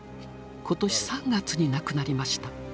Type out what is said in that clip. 今年３月に亡くなりました。